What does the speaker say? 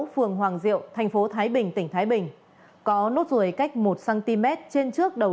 phường hoàng diệu thành phố thái bình tỉnh thái bình có nốt ruồi cách một cm trên trước đầu